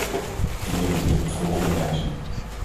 Ik wilde u op het volgende wijzen.